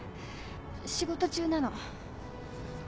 仕事中なの。